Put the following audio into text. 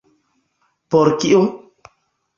Por kio?